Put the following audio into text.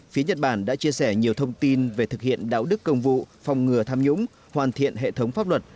phía nhật bản đã chia sẻ nhiều thông tin về thực hiện đạo đức công vụ phòng ngừa tham nhũng hoàn thiện hệ thống pháp luật